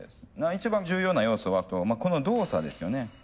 一番重要な要素はこの動作ですよね。